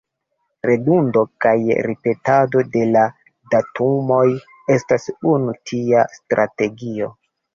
Redundo kaj ripetado de la datumoj estas unu tia strategio.